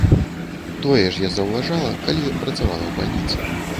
Тое ж я заўважала, калі працавала ў бальніцы.